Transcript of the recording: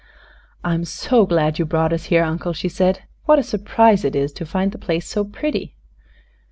"I'm so glad you brought us here. Uncle," she said. "What a surprise it is to find the place so pretty!"